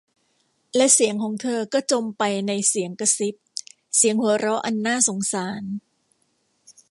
และเสียงของเธอก็จมไปในเสียงกระซิบ เสียงหัวเราะอันน่าสงสาร